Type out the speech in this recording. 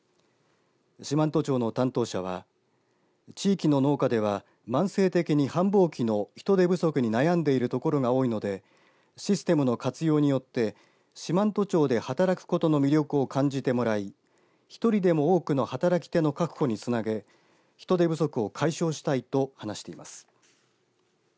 四万十町の担当者は地域の農家では慢性的に繁忙期の人手不足に悩んでいる所が多いのでシステムの活用によって四万十町で働くことの魅力を感じてもらい１人でも多くの働き手の確保につなげ人手不足を解消したいと話しています。